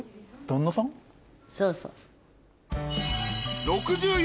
そうそう。